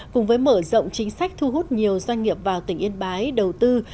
cùng với mở rộng chính sách thu hút nhiều doanh nghiệp vào tỉnh yên bái đầu tư